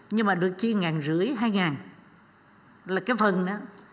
nhưng mà được chia một năm trăm linh hai là cái phần đó